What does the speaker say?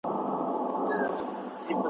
نه وېرېږې له آزاره د مرغانو ,